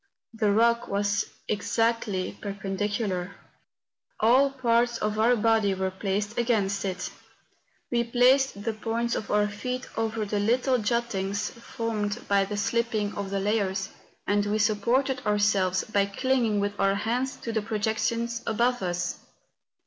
The rock was exactly perpendicular ; all parts of our body were placed against it; we placed the points of our feet over the little juttings THE BRECHE DE ROLAND. 123 formed by the slipping of the layers, and we sup¬ ported ourselves by clinging with our hands to the projections above us.